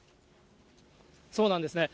そうなんですね。